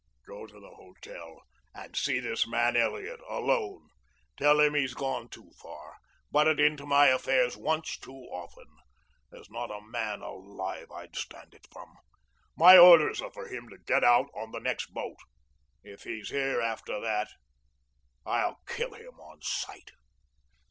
"Go to the hotel and see this man Elliot alone. Tell him he's gone too far butted into my affairs once too often. There's not a man alive I'd stand it from. My orders are for him to get out on the next boat. If he's here after that, I'll kill him on sight."